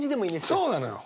そうなのよ。